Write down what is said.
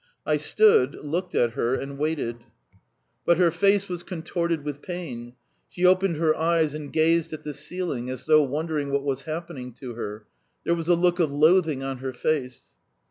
I stood, looked at her, and waited. But her face was contorted with pain; she opened her eyes and gazed at the ceiling, as though wondering what was happening to her. ... There was a look of loathing on her face.